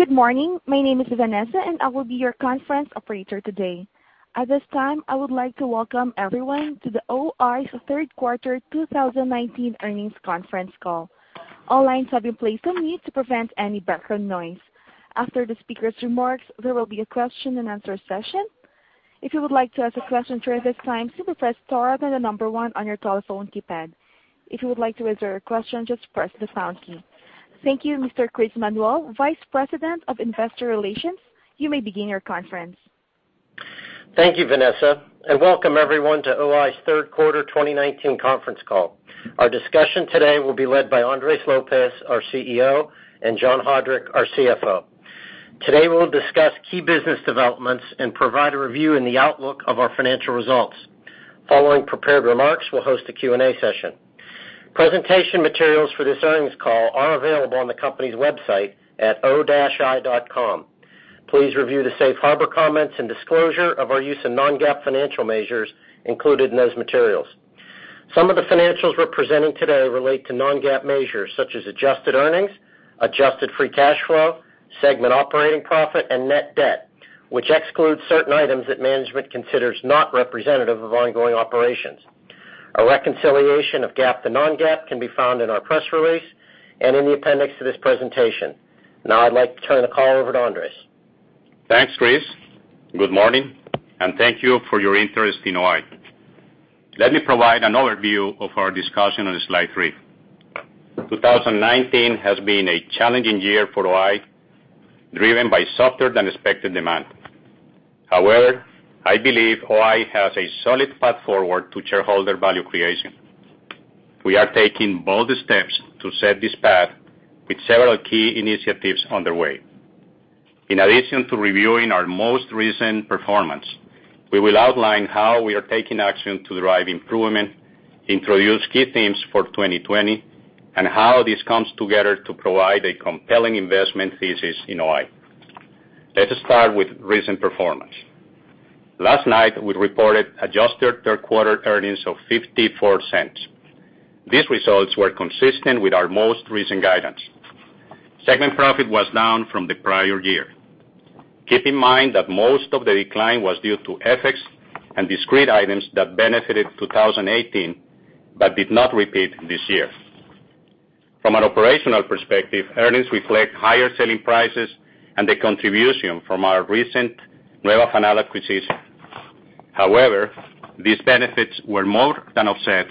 Good morning. My name is Vanessa, and I will be your conference operator today. At this time, I would like to welcome everyone to the O-I's third quarter 2019 earnings conference call. All lines have been placed on mute to prevent any background noise. After the speaker's remarks, there will be a question and answer session. If you would like to ask a question during this time, simply press star, then the number one on your telephone keypad. If you would like to withdraw your question, just press the pound key. Thank you, Mr. Chris Manuel, Vice President of Investor Relations. You may begin your conference. Thank you, Vanessa, and welcome everyone to O-I's third quarter 2019 conference call. Our discussion today will be led by Andres Lopez, our CEO, and John Haudrich, our CFO. Today we'll discuss key business developments and provide a review in the outlook of our financial results. Following prepared remarks, we'll host a Q&A session. Presentation materials for this earnings call are available on the company's website at o-i.com. Please review the safe harbor comments and disclosure of our use of non-GAAP financial measures included in those materials. Some of the financials we're presenting today relate to non-GAAP measures such as adjusted earnings, adjusted free cash flow, segment operating profit, and net debt, which excludes certain items that management considers not representative of ongoing operations. A reconciliation of GAAP to non-GAAP can be found in our press release and in the appendix to this presentation. Now I'd like to turn the call over to Andres. Thanks, Chris. Good morning, thank you for your interest in O-I. Let me provide an overview of our discussion on slide three. 2019 has been a challenging year for O-I, driven by softer than expected demand. However, I believe O-I has a solid path forward to shareholder value creation. We are taking bold steps to set this path, with several key initiatives underway. In addition to reviewing our most recent performance, we will outline how we are taking action to drive improvement, introduce key themes for 2020, and how this comes together to provide a compelling investment thesis in O-I. Let us start with recent performance. Last night, we reported adjusted third quarter earnings of $0.54. These results were consistent with our most recent guidance. Segment profit was down from the prior year. Keep in mind that most of the decline was due to FX and discrete items that benefited 2018 but did not repeat this year. From an operational perspective, earnings reflect higher selling prices and the contribution from our recent Nueva Fanal acquisition. However, these benefits were more than offset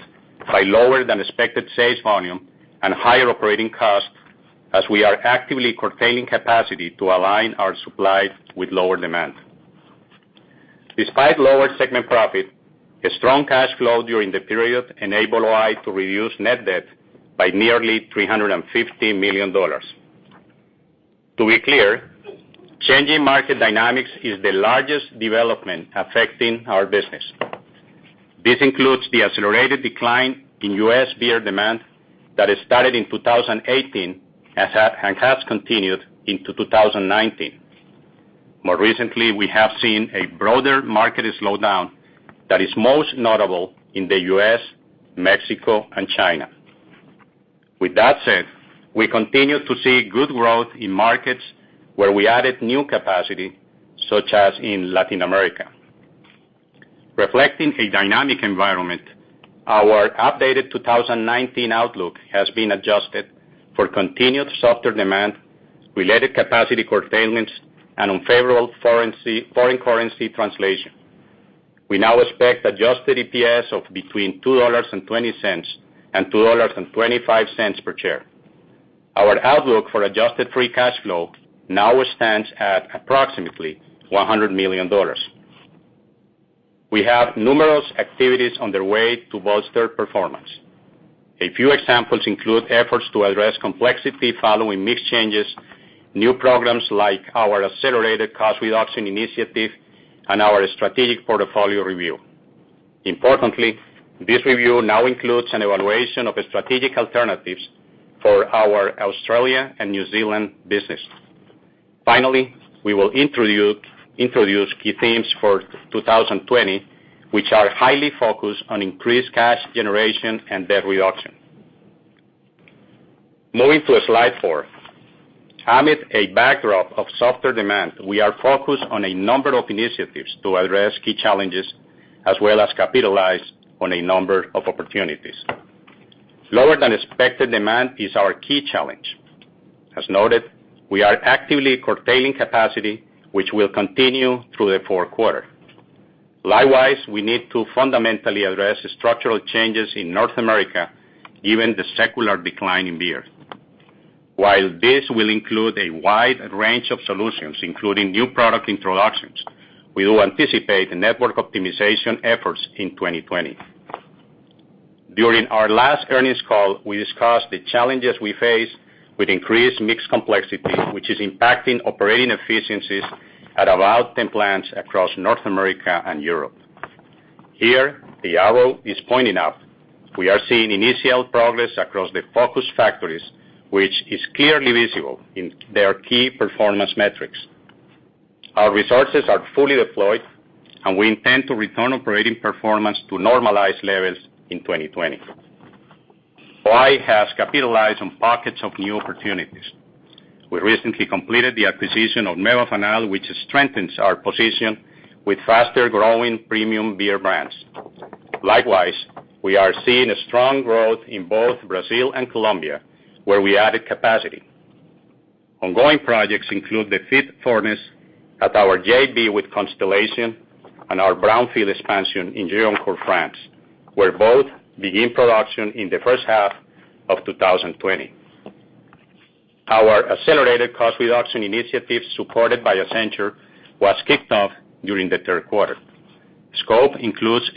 by lower than expected sales volume and higher operating costs as we are actively curtailing capacity to align our supply with lower demand. Despite lower segment profit, a strong cash flow during the period enabled O-I to reduce net debt by nearly $350 million. To be clear, changing market dynamics is the largest development affecting our business. This includes the accelerated decline in U.S. beer demand that started in 2018 and has continued into 2019. More recently, we have seen a broader market slowdown that is most notable in the U.S., Mexico, and China. With that said, we continue to see good growth in markets where we added new capacity, such as in Latin America. Reflecting a dynamic environment, our updated 2019 outlook has been adjusted for continued softer demand, related capacity curtailments, and unfavorable foreign currency translation. We now expect adjusted EPS of between $2.20 and $2.25 per share. Our outlook for adjusted free cash flow now stands at approximately $100 million. We have numerous activities on the way to bolster performance. A few examples include efforts to address complexity following mix changes, new programs like our accelerated cost reduction initiative, and our strategic portfolio review. Importantly, this review now includes an evaluation of strategic alternatives for our Australia and New Zealand business. Finally, we will introduce key themes for 2020, which are highly focused on increased cash generation and debt reduction. Moving to slide four. Amid a backdrop of softer demand, we are focused on a number of initiatives to address key challenges as well as capitalize on a number of opportunities. Lower than expected demand is our key challenge. As noted, we are actively curtailing capacity, which will continue through the fourth quarter. Likewise, we need to fundamentally address structural changes in North America, given the secular decline in beer. While this will include a wide range of solutions, including new product introductions, we will anticipate network optimization efforts in 2020. During our last earnings call, we discussed the challenges we face with increased mix complexity, which is impacting operating efficiencies at about 10 plants across North America and Europe. Here, the arrow is pointing up. We are seeing initial progress across the focus factories, which is clearly visible in their key performance metrics. Our resources are fully deployed, and we intend to return operating performance to normalized levels in 2020. O-I has capitalized on pockets of new opportunities. We recently completed the acquisition of Nueva Fanal, which strengthens our position with faster-growing premium beer brands. Likewise, we are seeing a strong growth in both Brazil and Colombia, where we added capacity. Ongoing projects include the fifth furnace at our JV with Constellation and our brownfield expansion in Gironcourt, France, where both begin production in the first half of 2020. Our accelerated cost reduction initiatives, supported by Accenture, was kicked off during the third quarter. Scope includes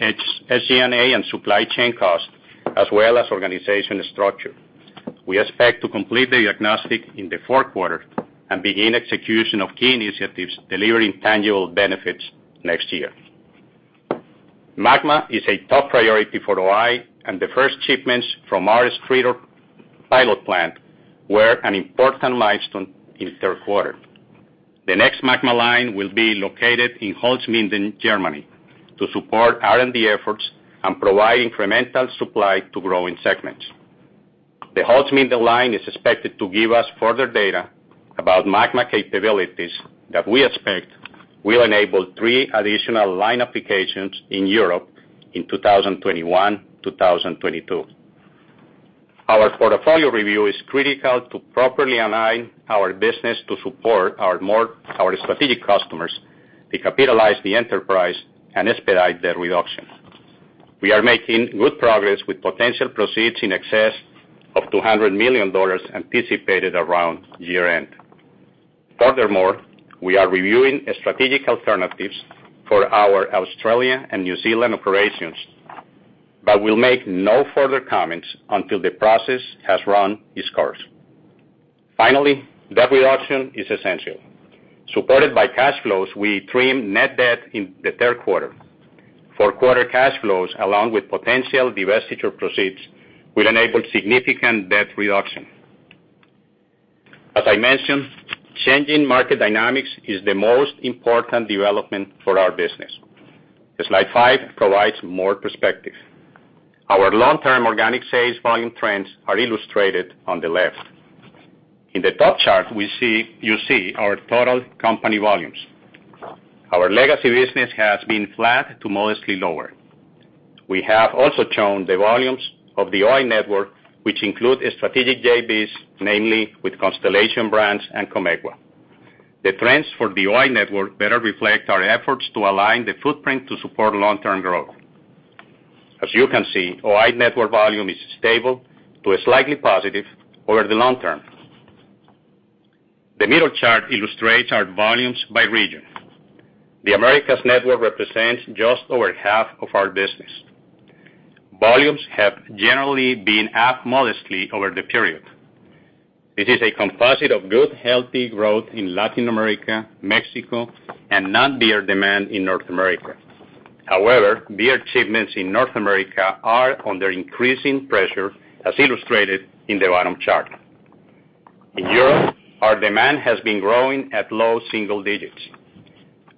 SG&A and supply chain costs, as well as organization structure. We expect to complete the diagnostic in the fourth quarter and begin execution of key initiatives delivering tangible benefits next year. MAGMA is a top priority for O-I, and the first shipments from our Streator pilot plant were an important milestone in the third quarter. The next MAGMA line will be located in Holzminden, Germany, to support R&D efforts and provide incremental supply to growing segments. The Holzminden line is expected to give us further data about MAGMA capabilities that we expect will enable three additional line applications in Europe in 2021, 2022. Our portfolio review is critical to properly align our business to support our strategic customers to capitalize the enterprise and expedite their reduction. We are making good progress with potential proceeds in excess of $200 million anticipated around year-end. Furthermore, we are reviewing strategic alternatives for our Australian and New Zealand operations, but we'll make no further comments until the process has run its course. Finally, debt reduction is essential. Supported by cash flows, we trimmed net debt in the third quarter. Fourth quarter cash flows, along with potential divestiture proceeds, will enable significant debt reduction. As I mentioned, changing market dynamics is the most important development for our business. Slide five provides more perspective. Our long-term organic sales volume trends are illustrated on the left. In the top chart, you see our total company volumes. Our legacy business has been flat to modestly lower. We have also shown the volumes of the O-I Network, which include strategic JVs, namely with Constellation Brands and Comegva. The trends for the O-I Network better reflect our efforts to align the footprint to support long-term growth. As you can see, O-I Network volume is stable to slightly positive over the long term. The middle chart illustrates our volumes by region. The Americas Network represents just over half of our business. Volumes have generally been up modestly over the period. This is a composite of good, healthy growth in Latin America, Mexico, and non-beer demand in North America. However, beer shipments in North America are under increasing pressure, as illustrated in the bottom chart. In Europe, our demand has been growing at low single digits.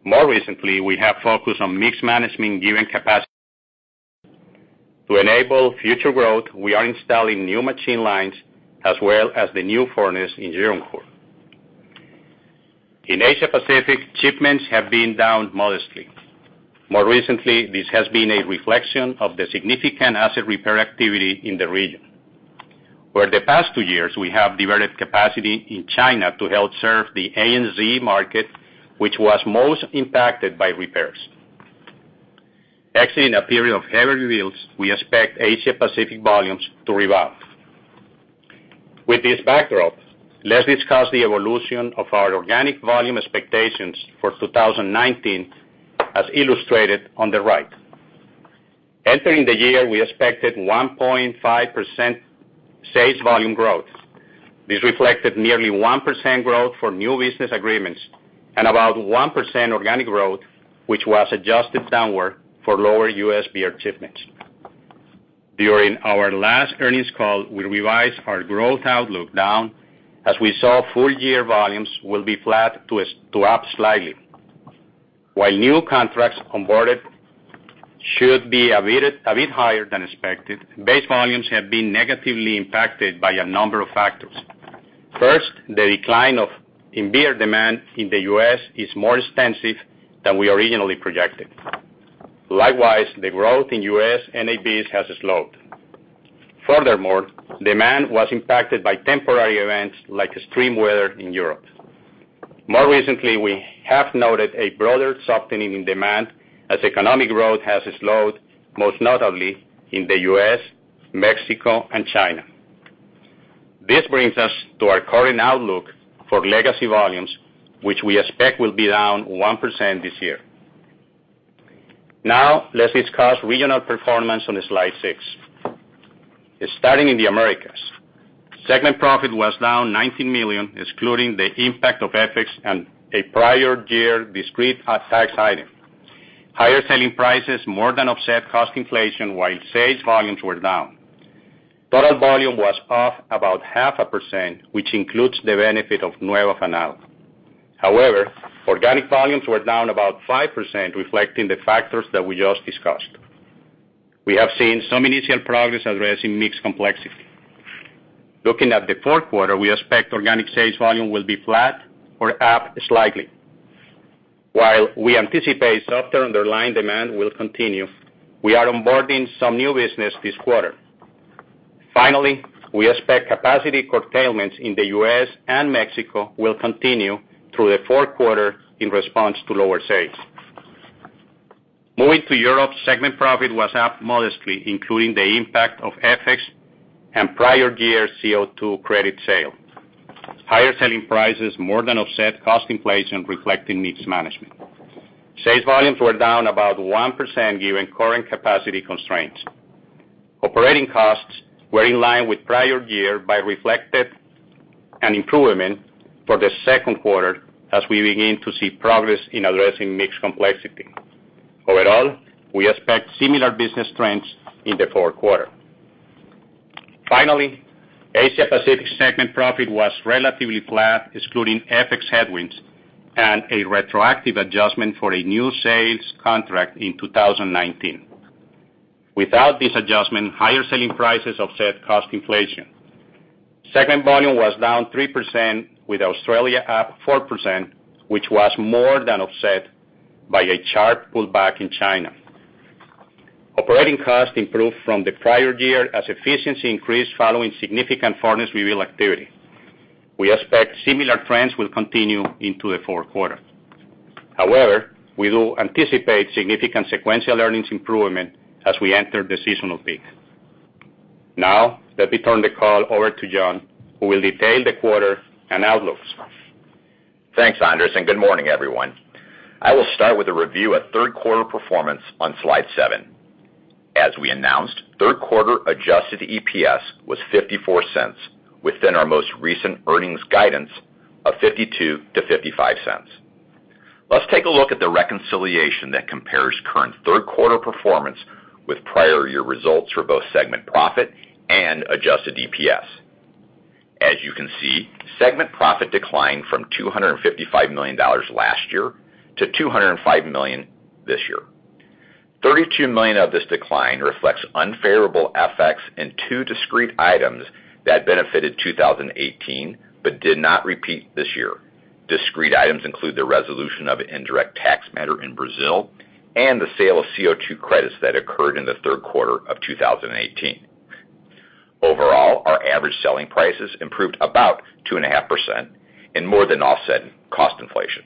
More recently, we have focused on mix management given capacity. To enable future growth, we are installing new machine lines as well as the new furnace in Geleen. In Asia Pacific, shipments have been down modestly. More recently, this has been a reflection of the significant asset repair activity in the region, where the past two years we have diverted capacity in China to help serve the ANZ market, which was most impacted by repairs. Actually, in a period of heavy reveals, we expect Asia Pacific volumes to rebound. With this backdrop, let's discuss the evolution of our organic volume expectations for 2019, as illustrated on the right. Entering the year, we expected 1.5% sales volume growth. This reflected nearly 1% growth for new business agreements and about 1% organic growth, which was adjusted downward for lower U.S. beer shipments. During our last earnings call, we revised our growth outlook down as we saw full-year volumes will be flat to up slightly. While new contracts converted should be a bit higher than expected, base volumes have been negatively impacted by a number of factors. First, the decline in beer demand in the U.S. is more extensive than we originally projected. Likewise, the growth in U.S. NABs has slowed. Furthermore, demand was impacted by temporary events like extreme weather in Europe. More recently, we have noted a broader softening in demand as economic growth has slowed, most notably in the U.S., Mexico, and China. This brings us to our current outlook for legacy volumes, which we expect will be down 1% this year. Let's discuss regional performance on slide six. Starting in the Americas. Segment profit was down $19 million, excluding the impact of FX and a prior year discrete tax item. Higher selling prices more than offset cost inflation, while sales volumes were down. Total volume was off about 0.5%, which includes the benefit of Nueva Fanal. Organic volumes were down about 5%, reflecting the factors that we just discussed. We have seen some initial progress addressing mix complexity. Looking at the fourth quarter, we expect organic sales volume will be flat or up slightly. While we anticipate softer underlying demand will continue, we are onboarding some new business this quarter. Finally, we expect capacity curtailments in the U.S. and Mexico will continue through the fourth quarter in response to lower sales. Moving to Europe, segment profit was up modestly, including the impact of FX and prior year CO2 credit sale. Higher selling prices more than offset cost inflation reflecting mixed management. Sales volumes were down about 1% given current capacity constraints. Operating costs were in line with prior year but reflected an improvement for the second quarter as we begin to see progress in addressing mix complexity. Overall, we expect similar business trends in the fourth quarter. Finally, Asia Pacific segment profit was relatively flat, excluding FX headwinds and a retroactive adjustment for a new sales contract in 2019. Without this adjustment, higher selling prices offset cost inflation. Segment volume was down 3% with Australia up 4%, which was more than offset by a sharp pullback in China. Operating costs improved from the prior year as efficiency increased following significant furnace reveal activity. We expect similar trends will continue into the fourth quarter. However, we do anticipate significant sequential earnings improvement as we enter the seasonal peak. Now, let me turn the call over to John, who will detail the quarter and outlooks. Thanks, Andres. Good morning, everyone. I will start with a review of third quarter performance on slide seven. As we announced, third quarter adjusted EPS was $0.54 within our most recent earnings guidance of $0.52 to $0.55. Let's take a look at the reconciliation that compares current third quarter performance with prior year results for both segment profit and adjusted EPS. As you can see, segment profit declined from $255 million last year to $205 million this year. 32 million of this decline reflects unfavorable FX and two discrete items that benefited 2018 but did not repeat this year. Discrete items include the resolution of an indirect tax matter in Brazil and the sale of CO2 credits that occurred in the third quarter of 2018. Overall, our average selling prices improved about 2.5% and more than offset cost inflation.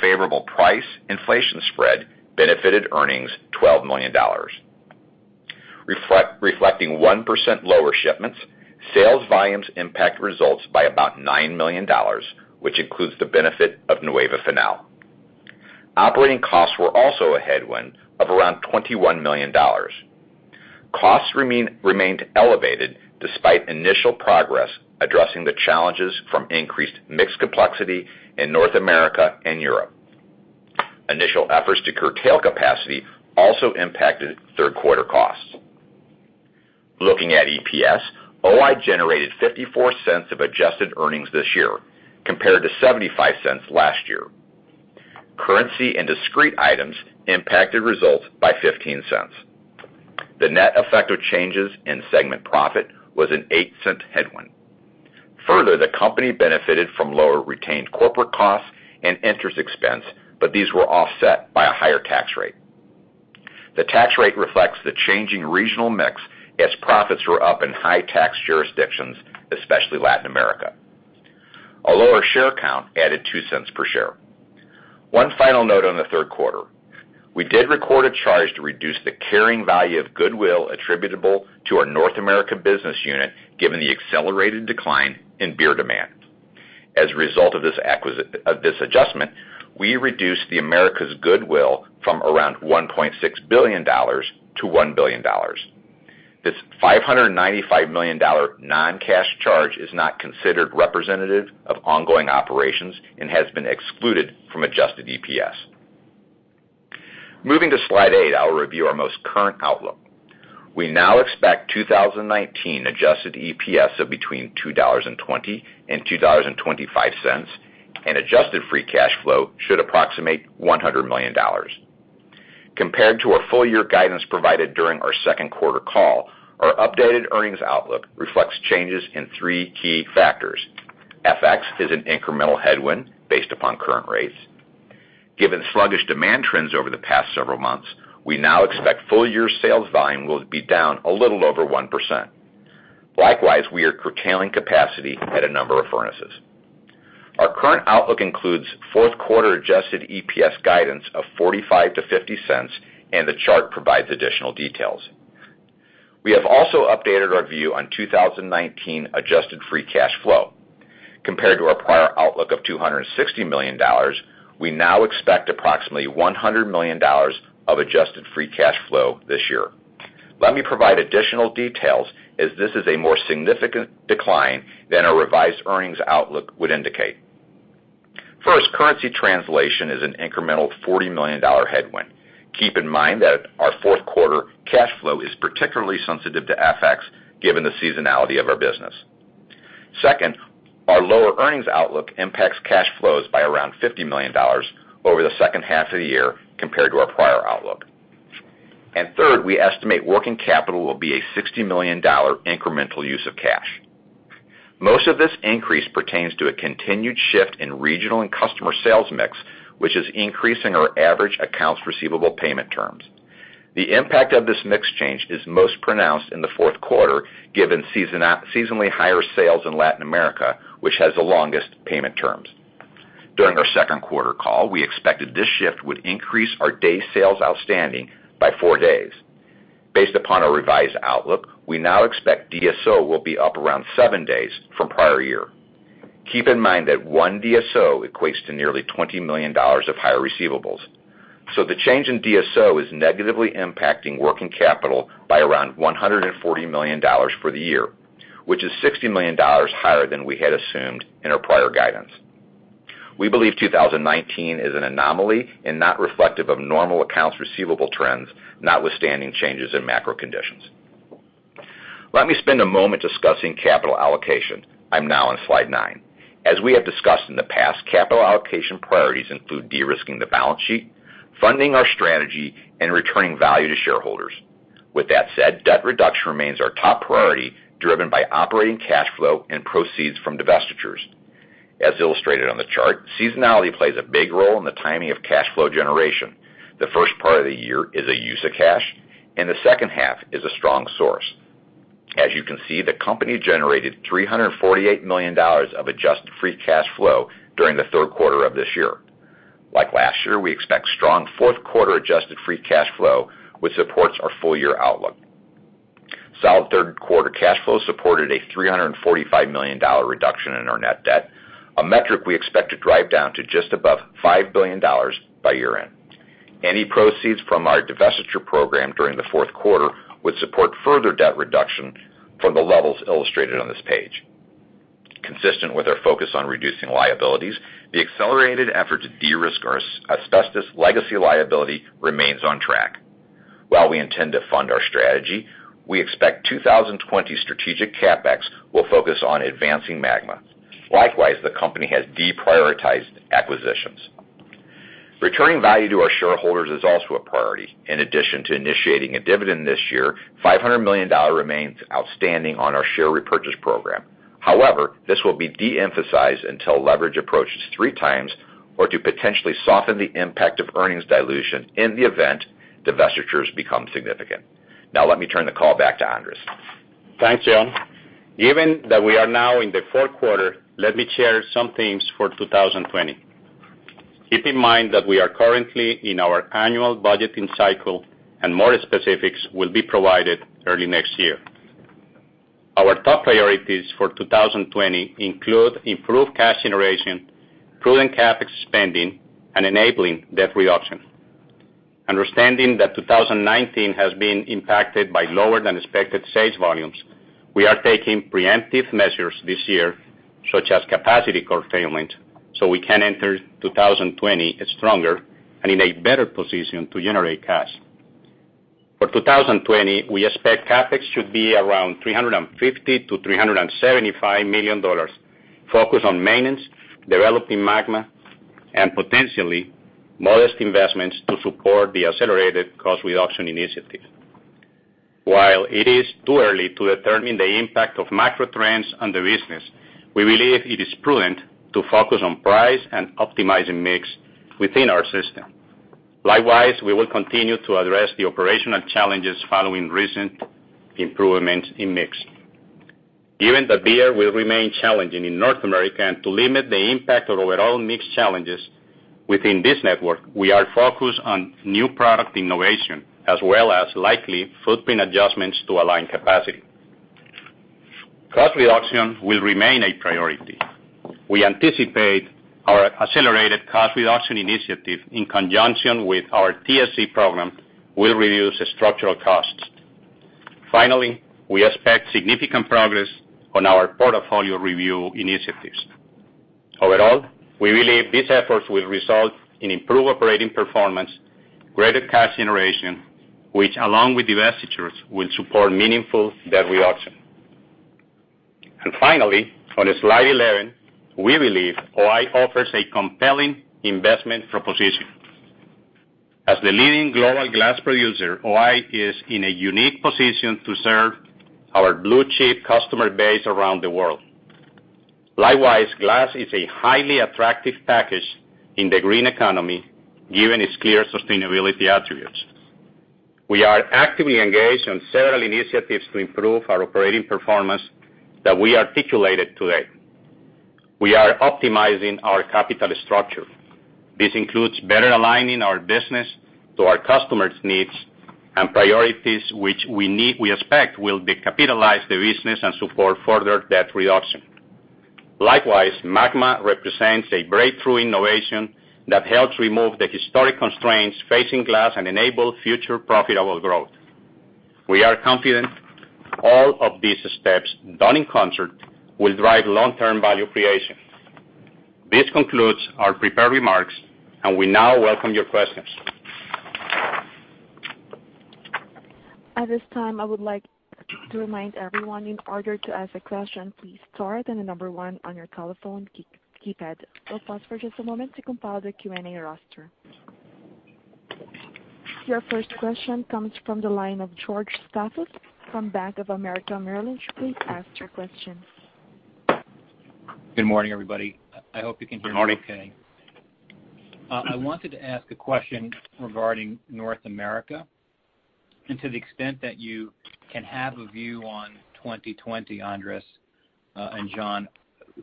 Favorable price inflation spread benefited earnings $12 million. Reflecting 1% lower shipments, sales volumes impact results by about $9 million, which includes the benefit of Nueva Fanal. Operating costs were also a headwind of around $21 million. Costs remained elevated despite initial progress addressing the challenges from increased mix complexity in North America and Europe. Initial efforts to curtail capacity also impacted third quarter costs. Looking at EPS, O-I generated $0.54 of adjusted earnings this year compared to $0.75 last year. Currency and discrete items impacted results by $0.15. The net effect of changes in segment profit was an $0.08 headwind. The company benefited from lower retained corporate costs and interest expense, but these were offset by a higher tax rate. The tax rate reflects the changing regional mix as profits were up in high tax jurisdictions, especially Latin America. A lower share count added $0.02 per share. One final note on the third quarter. We did record a charge to reduce the carrying value of goodwill attributable to our North America business unit given the accelerated decline in beer demand. As a result of this adjustment, we reduced the Americas goodwill from around $1.6 billion to $1 billion. This $595 million non-cash charge is not considered representative of ongoing operations and has been excluded from adjusted EPS. Moving to slide eight, I'll review our most current outlook. We now expect 2019 adjusted EPS of between $2.20 and $2.25, and adjusted free cash flow should approximate $100 million. Compared to our full year guidance provided during our second quarter call, our updated earnings outlook reflects changes in three key factors. FX is an incremental headwind based upon current rates. Given sluggish demand trends over the past several months, we now expect full year sales volume will be down a little over 1%. Likewise, we are curtailing capacity at a number of furnaces. Our current outlook includes fourth quarter adjusted EPS guidance of $0.45-$0.50, and the chart provides additional details. We have also updated our view on 2019 adjusted free cash flow. Compared to our prior outlook of $260 million, we now expect approximately $100 million of adjusted free cash flow this year. Let me provide additional details as this is a more significant decline than our revised earnings outlook would indicate. First, currency translation is an incremental $40 million headwind. Keep in mind that our fourth quarter cash flow is particularly sensitive to FX, given the seasonality of our business. Second, our lower earnings outlook impacts cash flows by $50 million over the second half of the year compared to our prior outlook. Third, we estimate working capital will be a $60 million incremental use of cash. Most of this increase pertains to a continued shift in regional and customer sales mix, which is increasing our average accounts receivable payment terms. The impact of this mix change is most pronounced in the fourth quarter, given seasonally higher sales in Latin America, which has the longest payment terms. During our second quarter call, we expected this shift would increase our day sales outstanding by 4 days. Based upon our revised outlook, we now expect DSO will be up 7 days from prior year. Keep in mind that one DSO equates to $20 million of higher receivables. The change in DSO is negatively impacting working capital by around $140 million for the year, which is $60 million higher than we had assumed in our prior guidance. We believe 2019 is an anomaly and not reflective of normal accounts receivable trends, notwithstanding changes in macro conditions. Let me spend a moment discussing capital allocation. I'm now on slide nine. As we have discussed in the past, capital allocation priorities include de-risking the balance sheet, funding our strategy, and returning value to shareholders. With that said, debt reduction remains our top priority, driven by operating cash flow and proceeds from divestitures. As illustrated on the chart, seasonality plays a big role in the timing of cash flow generation. The first part of the year is a use of cash, and the second half is a strong source. As you can see, the company generated $348 million of adjusted free cash flow during the third quarter of this year. Like last year, we expect strong fourth quarter adjusted free cash flow, which supports our full-year outlook. Solid third quarter cash flow supported a $345 million reduction in our net debt, a metric we expect to drive down to just above $5 billion by year-end. Any proceeds from our divestiture program during the fourth quarter would support further debt reduction from the levels illustrated on this page. Consistent with our focus on reducing liabilities, the accelerated effort to de-risk our asbestos legacy liability remains on track. While we intend to fund our strategy, we expect 2020 strategic CapEx will focus on advancing MAGMA. Likewise, the company has deprioritized acquisitions. Returning value to our shareholders is also a priority. In addition to initiating a dividend this year, $500 million remains outstanding on our share repurchase program. However, this will be de-emphasized until leverage approaches three times or to potentially soften the impact of earnings dilution in the event divestitures become significant. Now let me turn the call back to Andres. Thanks, John. Given that we are now in the fourth quarter, let me share some themes for 2020. Keep in mind that we are currently in our annual budgeting cycle, and more specifics will be provided early next year. Our top priorities for 2020 include improved cash generation, prudent CapEx spending, and enabling debt reduction. Understanding that 2019 has been impacted by lower than expected sales volumes, we are taking preemptive measures this year, such as capacity curtailment, so we can enter 2020 stronger and in a better position to generate cash. For 2020, we expect CapEx should be around $350 million-$375 million, focused on maintenance, developing MAGMA, and potentially modest investments to support the accelerated cost reduction initiative. While it is too early to determine the impact of macro trends on the business, we believe it is prudent to focus on price and optimizing mix within our system. Likewise, we will continue to address the operational challenges following recent improvements in mix. Given that beer will remain challenging in North America and to limit the impact of overall mix challenges within this network, we are focused on new product innovation as well as likely footprint adjustments to align capacity. Cost reduction will remain a priority. We anticipate our accelerated cost reduction initiative in conjunction with our TSC program will reduce structural costs. Finally, we expect significant progress on our portfolio review initiatives. Overall, we believe these efforts will result in improved operating performance, greater cash generation, which along with divestitures, will support meaningful debt reduction. Finally, on slide 11, we believe O-I offers a compelling investment proposition. As the leading global glass producer, O-I is in a unique position to serve our blue-chip customer base around the world. Likewise, glass is a highly attractive package in the green economy, given its clear sustainability attributes. We are actively engaged on several initiatives to improve our operating performance that we articulated today. We are optimizing our capital structure. This includes better aligning our business to our customers' needs and priorities, which we expect will decapitalize the business and support further debt reduction. Likewise, MAGMA represents a breakthrough innovation that helps remove the historic constraints facing glass and enable future profitable growth. We are confident all of these steps done in concert will drive long-term value creation. This concludes our prepared remarks, and we now welcome your questions. At this time, I would like to remind everyone, in order to ask a question, please star, then the number 1 on your telephone keypad. We'll pause for just a moment to compile the Q&A roster. Your first question comes from the line of George Staphos from Bank of America Merrill Lynch. Please ask your question. Good morning, everybody. I hope you can hear me okay. Good morning. I wanted to ask a question regarding North America, and to the extent that you can have a view on 2020, Andres and John.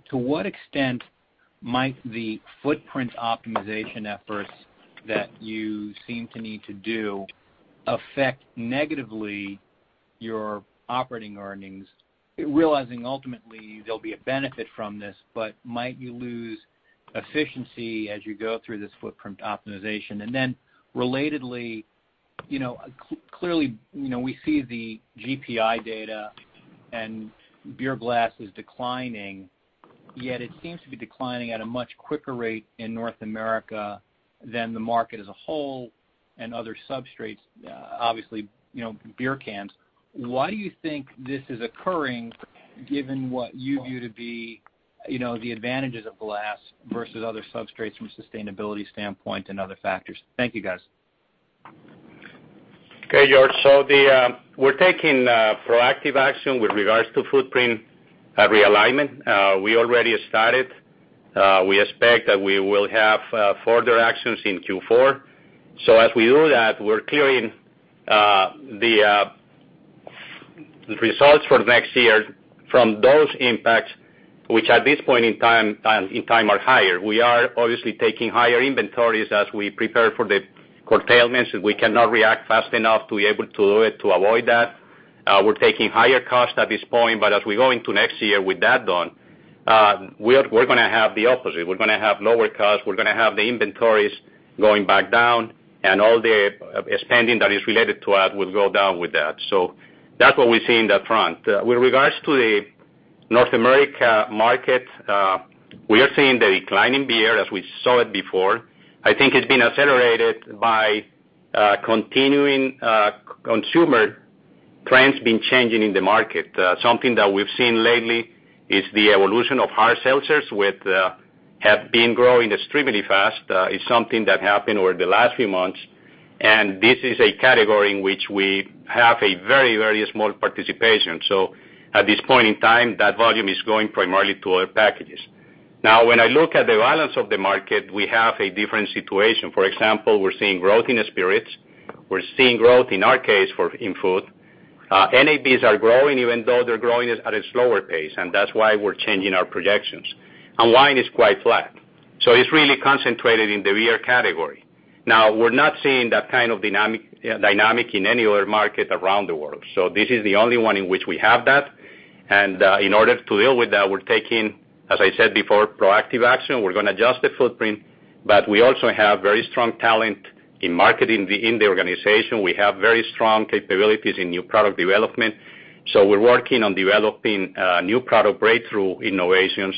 To what extent might the footprint optimization efforts that you seem to need to do affect negatively your operating earnings, realizing ultimately there'll be a benefit from this, but might you lose efficiency as you go through this footprint optimization? Relatedly, clearly, we see the GPI data and beer glass is declining, yet it seems to be declining at a much quicker rate in North America than the market as a whole and other substrates, obviously, beer cans. Why do you think this is occurring, given what you view to be the advantages of glass versus other substrates from a sustainability standpoint and other factors? Thank you, guys. Okay, George. We're taking proactive action with regards to footprint realignment. We already started. We expect that we will have further actions in Q4. As we do that, we're clearing the results for next year from those impacts, which at this point in time are higher. We are obviously taking higher inventories as we prepare for the curtailments, and we cannot react fast enough to be able to avoid that. We're taking higher costs at this point, as we go into next year with that done, we're going to have the opposite. We're going to have lower costs. We're going to have the inventories going back down, and all the spending that is related to that will go down with that. That's what we see in the front. With regards to the North America market, we are seeing the decline in beer as we saw it before. I think it's been accelerated by continuing consumer trends been changing in the market. Something that we've seen lately is the evolution of hard seltzers, have been growing extremely fast. It's something that happened over the last few months. This is a category in which we have a very, very small participation. At this point in time, that volume is going primarily to other packages. Now, when I look at the dynamics of the market, we have a different situation. For example, we're seeing growth in spirits. We're seeing growth, in our case, in food. NABs are growing, even though they're growing at a slower pace. That's why we're changing our projections. Wine is quite flat. It's really concentrated in the beer category. Now, we're not seeing that kind of dynamic in any other market around the world. This is the only one in which we have that. In order to deal with that, we're taking, as I said before, proactive action. We're going to adjust the footprint, but we also have very strong talent in marketing in the organization. We have very strong capabilities in new product development. We're working on developing new product breakthrough innovations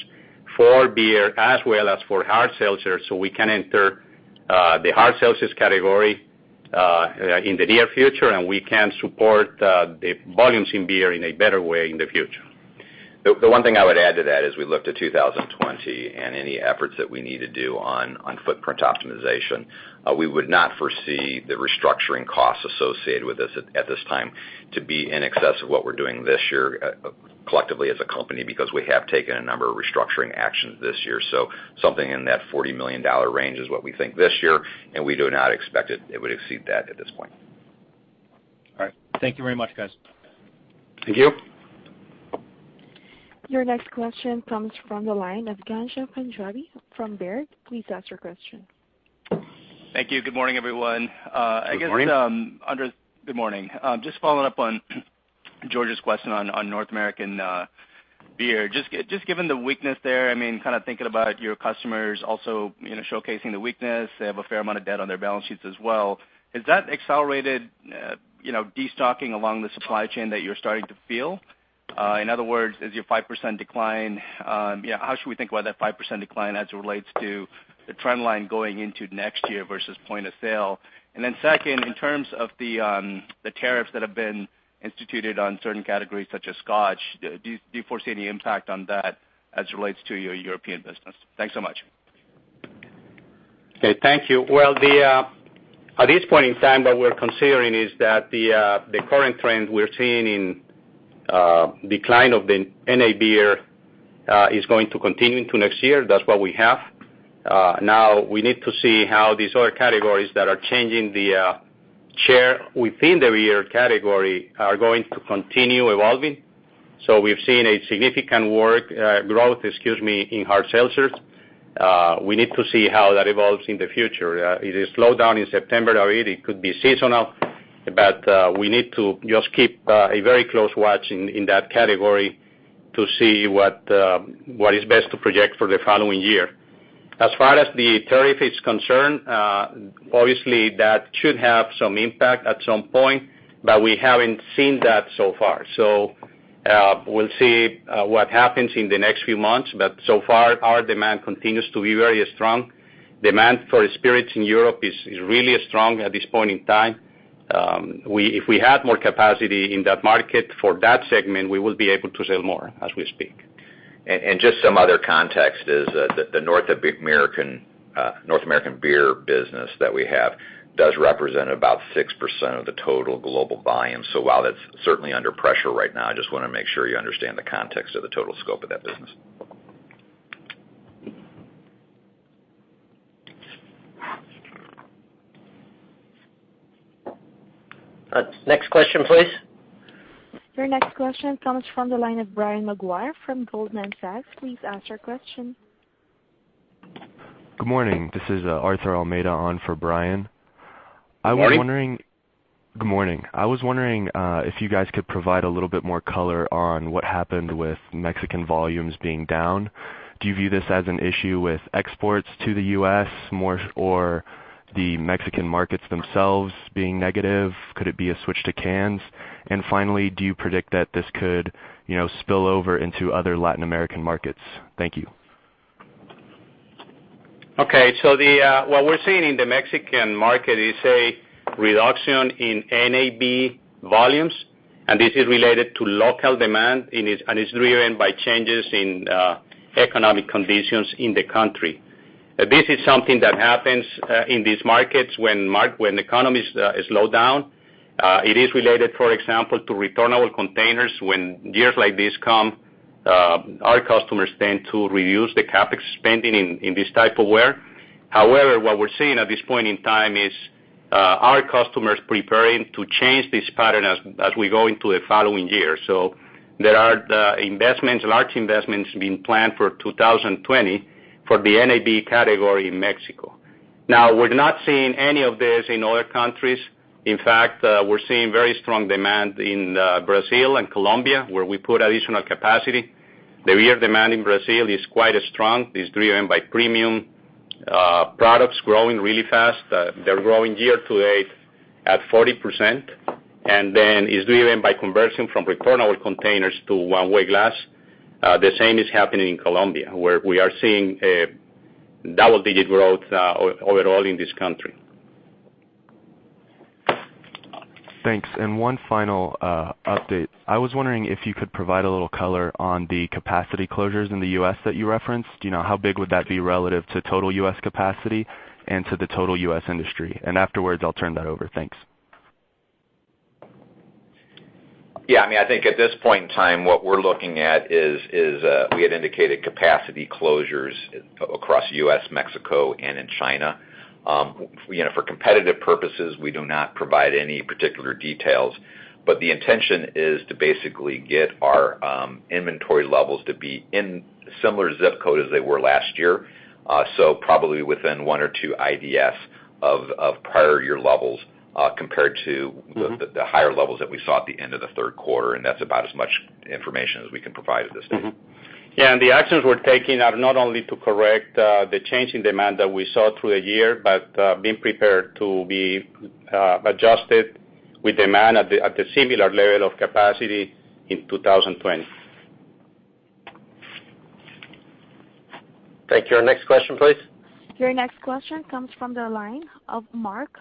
for beer as well as for hard seltzers, so we can enter the hard seltzers category in the near future, and we can support the volumes in beer in a better way in the future. The one thing I would add to that as we look to 2020 and any efforts that we need to do on footprint optimization, we would not foresee the restructuring costs associated with this at this time to be in excess of what we're doing this year collectively as a company, because we have taken a number of restructuring actions this year. Something in that $40 million range is what we think this year, and we do not expect it would exceed that at this point. All right. Thank you very much, guys. Thank you. Your next question comes from the line of Ghansham Panjabi from Baird. Please ask your question. Thank you. Good morning, everyone. Good morning. Andres, good morning. Just following up on George's question on North American beer. Just given the weakness there, kind of thinking about your customers also showcasing the weakness. They have a fair amount of debt on their balance sheets as well. Has that accelerated destocking along the supply chain that you're starting to feel? In other words, how should we think about that 5% decline as it relates to the trend line going into next year versus point of sale? Then second, in terms of the tariffs that have been instituted on certain categories such as scotch, do you foresee any impact on that as it relates to your European business? Thanks so much. Okay. Thank you. Well, at this point in time, what we're considering is that the current trend we're seeing in decline of the NA beer is going to continue into next year. That's what we have. Now, we need to see how these other categories that are changing the share within the beer category are going to continue evolving. We've seen a significant growth in hard seltzers. We need to see how that evolves in the future. It slowed down in September already. It could be seasonal, we need to just keep a very close watch in that category to see what is best to project for the following year. As far as the tariff is concerned, obviously, that should have some impact at some point, but we haven't seen that so far. We'll see what happens in the next few months. So far, our demand continues to be very strong. Demand for spirits in Europe is really strong at this point in time. If we had more capacity in that market for that segment, we will be able to sell more as we speak. Just some other context is, the North American beer business that we have does represent about 6% of the total global volume. While that's certainly under pressure right now, I just want to make sure you understand the context of the total scope of that business. Next question, please. Your next question comes from the line of Brian Maguire from Goldman Sachs. Please ask your question. Good morning. This is Arthur Almeida on for Brian. Good morning. Good morning. I was wondering if you guys could provide a little bit more color on what happened with Mexican volumes being down. Do you view this as an issue with exports to the U.S. more, or the Mexican markets themselves being negative? Could it be a switch to cans? Finally, do you predict that this could spill over into other Latin American markets? Thank you. Okay. What we're seeing in the Mexican market is a reduction in NAB volumes, and this is related to local demand, and it's driven by changes in economic conditions in the country. This is something that happens in these markets when economies slow down. It is related, for example, to returnable containers. When years like this come, our customers tend to reduce the CapEx spending in this type of ware. However, what we're seeing at this point in time is, our customers preparing to change this pattern as we go into the following year. There are large investments being planned for 2020 for the NAB category in Mexico. We're not seeing any of this in other countries. In fact, we're seeing very strong demand in Brazil and Colombia, where we put additional capacity. The beer demand in Brazil is quite strong. It's driven by premium products growing really fast. They're growing year to date at 40%, and then it's driven by conversion from returnable containers to one-way glass. The same is happening in Colombia, where we are seeing a double-digit growth overall in this country. Thanks. One final update. I was wondering if you could provide a little color on the capacity closures in the U.S. that you referenced. How big would that be relative to total U.S. capacity and to the total U.S. industry? Afterwards, I'll turn that over. Thanks. Yeah, I think at this point in time, what we're looking at is, we had indicated capacity closures across U.S., Mexico, and in China. For competitive purposes, we do not provide any particular details, but the intention is to basically get our inventory levels to be in similar zip code as they were last year. Probably within one or two IDS of prior year levels, compared to the higher levels that we saw at the end of the third quarter, and that's about as much information as we can provide at this time. Yeah, the actions we're taking are not only to correct the change in demand that we saw through the year, but being prepared to be adjusted with demand at the similar level of capacity in 2020. Thank you. Our next question, please. Your next question comes from the line of Mark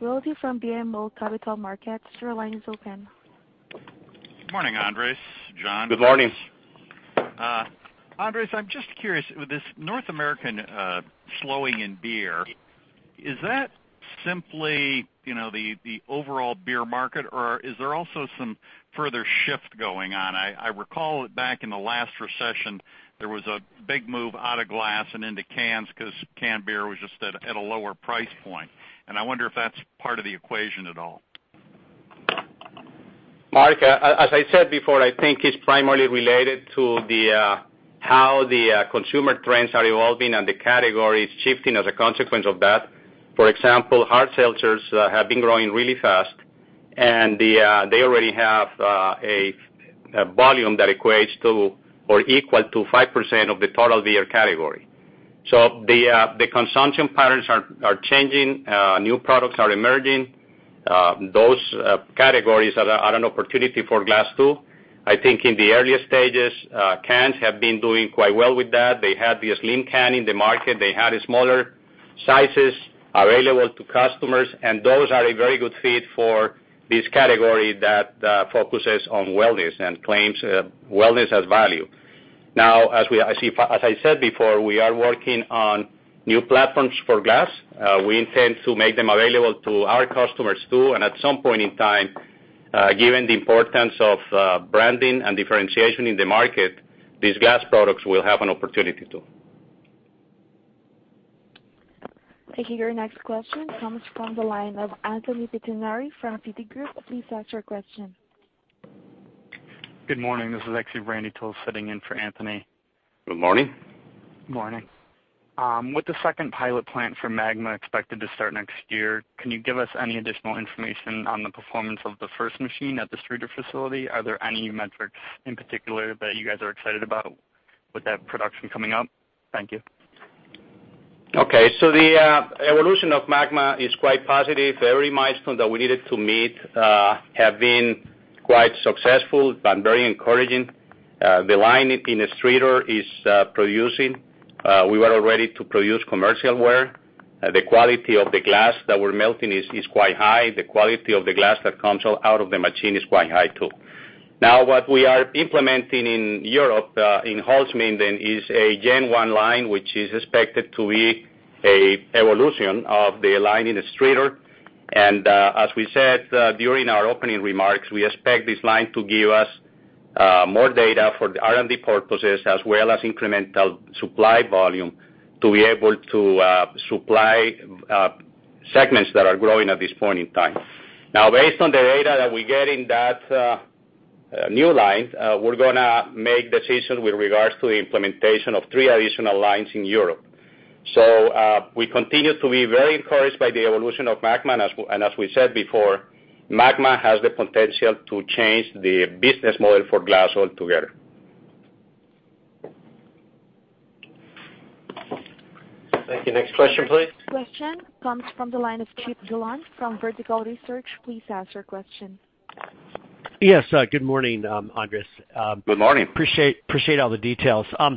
Wilde from BMO Capital Markets. Your line is open. Good morning, Andres, John. Good morning. Andres, I'm just curious with this North American slowing in beer, is that simply the overall beer market, or is there also some further shift going on? I recall back in the last recession, there was a big move out of glass and into cans because canned beer was just at a lower price point, and I wonder if that's part of the equation at all. Mark, as I said before, I think it's primarily related to how the consumer trends are evolving and the categories shifting as a consequence of that. For example, hard seltzers have been growing really fast, they already have a volume that equates to or equal to 5% of the total beer category. The consumption patterns are changing. New products are emerging. Those categories are an opportunity for glass, too. I think in the earlier stages, cans have been doing quite well with that. They had the slim can in the market. They had smaller sizes available to customers, and those are a very good fit for this category that focuses on wellness and claims wellness as value. As I said before, we are working on new platforms for glass. We intend to make them available to our customers, too, and at some point in time, given the importance of branding and differentiation in the market, these glass products will have an opportunity, too. Thank you. Your next question comes from the line of Anthony Pettinari from Citigroup. Please ask your question. Good morning. This is actually Randy Tuls sitting in for Anthony. Good morning. Morning. With the second pilot plant for MAGMA expected to start next year, can you give us any additional information on the performance of the first machine at the Streator facility? Are there any metrics in particular that you guys are excited about with that production coming up? Thank you. Okay. The evolution of MAGMA is quite positive. Every milestone that we needed to meet has been quite successful and very encouraging. The line in Streator is producing. We are all ready to produce commercial ware. The quality of the glass that we're melting is quite high. The quality of the glass that comes out of the machine is quite high, too. What we are implementing in Europe, in Holzminden, is a Gen One line, which is expected to be an evolution of the line in Streator. As we said during our opening remarks, we expect this line to give us more data for R&D purposes, as well as incremental supply volume to be able to supply segments that are growing at this point in time. Based on the data that we get in that new line, we're going to make decisions with regards to the implementation of three additional lines in Europe. We continue to be very encouraged by the evolution of MAGMA, and as we said before, MAGMA has the potential to change the business model for glass altogether. Thank you. Next question, please. Question comes from the line of Chip Dillon from Vertical Research. Please ask your question. Yes. Good morning, Andres. Good morning. Appreciate all the details. I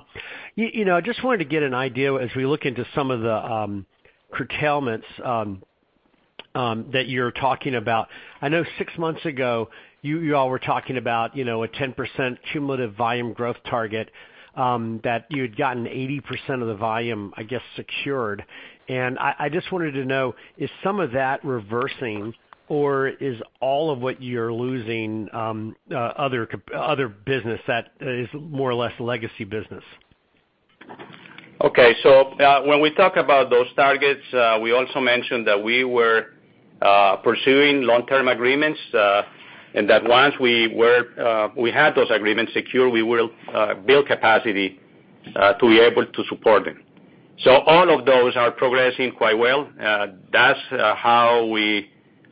just wanted to get an idea as we look into some of the curtailments that you're talking about. I know six months ago, you all were talking about a 10% cumulative volume growth target, that you had gotten 80% of the volume, I guess, secured. I just wanted to know, is some of that reversing or is all of what you're losing other business that is more or less legacy business? Okay. When we talk about those targets, we also mentioned that we were pursuing long-term agreements, and that once we had those agreements secure, we will build capacity to be able to support them. All of those are progressing quite well. That's how we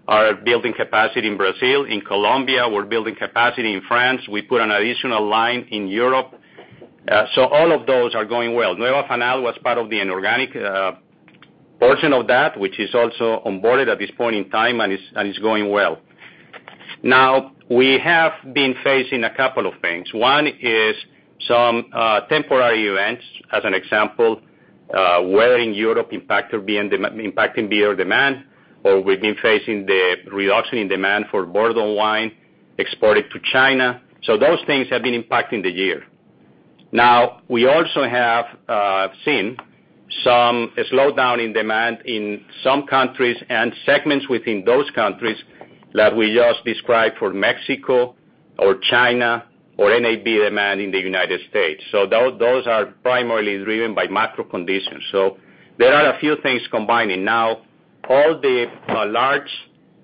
are building capacity in Brazil, in Colombia. We're building capacity in France. We put an additional line in Europe. All of those are going well. Nueva Fanal was part of the inorganic portion of that, which is also onboarded at this point in time, and is going well. Now, we have been facing a couple of things. One is some temporary events, as an example, weather in Europe impacting beer demand, or we've been facing the reduction in demand for bottle wine exported to China. Those things have been impacting the year. We also have seen some slowdown in demand in some countries and segments within those countries that we just described for Mexico or China or NAB demand in the United States. Those are primarily driven by macro conditions. There are a few things combining. All the large